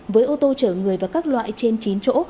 với ô tô chở người và các loại trên chín chỗ